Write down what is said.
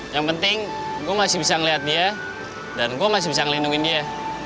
yang penting gue masih bisa melihat dia dan gue masih bisa ngelindungin dia